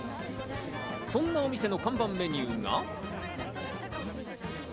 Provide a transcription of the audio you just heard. そんなお店の看板メニューが。